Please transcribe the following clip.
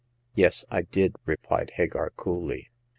"Yes I did," replied Hagar, coolly.